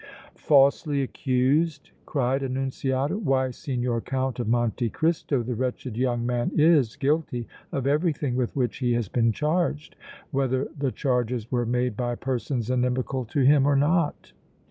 "Falsely accused!" cried Annunziata. "Why, Signor Count of Monte Cristo, the wretched young man is guilty of everything with which he has been charged, whether the charges were made by persons inimical to him or not!"